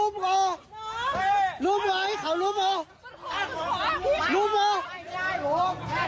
บรรดาผมรุมโถ่